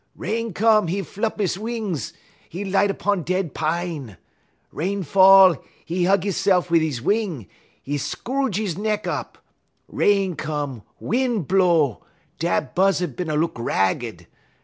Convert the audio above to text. Rain come, 'e flup 'e wings, 'e light 'pon dead pine. Rain fall, 'e hug 'ese'f wit' 'e wing, 'e scrooge 'e neck up. Rain come, win' blow, da Buzzud bin a look ragged.